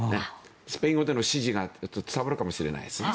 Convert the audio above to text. スペイン語での指示が伝わるかもしれないですね。